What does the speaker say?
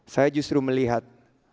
saya justru melihat